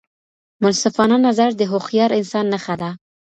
منصفانه نظر د هوښیار انسان نښه ده.